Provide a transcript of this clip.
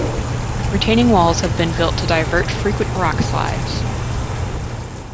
Retaining walls have been built to divert frequent rockslides.